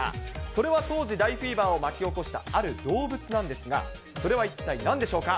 それは当時、大フィーバーを巻き起こしたある動物なんですが、それは一体なんでしょうか。